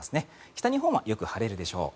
北日本はよく晴れるでしょう。